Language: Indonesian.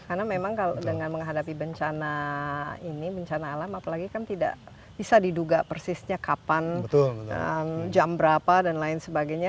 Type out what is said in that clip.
karena memang kalau dengan menghadapi bencana ini bencana alam apalagi kan tidak bisa diduga persisnya kapan jam berapa dan lain sebagainya